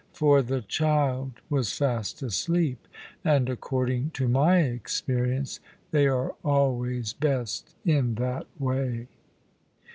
For the child was fast asleep; and, according to my experience, they are always best in that way.